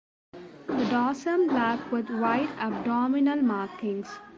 The dorsum black with white abdominal markings.